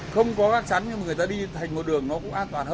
cái lối mở này là người ta đi vào đâu nữa hả chị